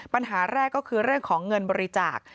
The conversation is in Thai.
ปัญหาแรกก็คือเรื่องของเงินบริจาค